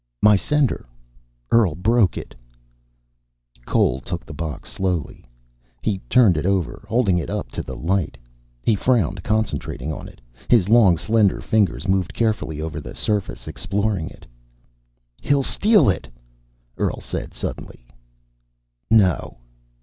"My sender. Earl broke it." Cole took the box slowly. He turned it over, holding it up to the light. He frowned, concentrating on it. His long, slender fingers moved carefully over the surface, exploring it. "He'll steal it!" Earl said suddenly. "No."